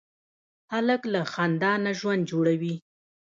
هلک له خندا نه ژوند جوړوي.